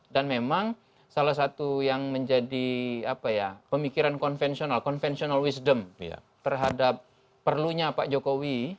dan memang salah satu yang menjadi pemikiran konvensional konvensional wisdom terhadap perlunya pak jokowi